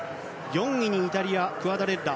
４位にイタリア、クアダレッラ。